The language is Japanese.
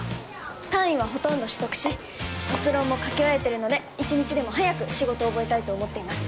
単位はほとんど取得し卒論も書き終えてるので一日でも早く仕事を覚えたいと思っています